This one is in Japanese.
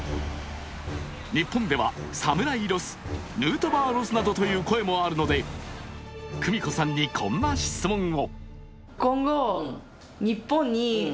日本では侍ロス、ヌートバーロスという声もあるので久美子さんにこんな質問を。